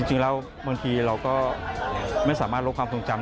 จริงแล้วบางทีเราก็ไม่สามารถลดความทรงจำ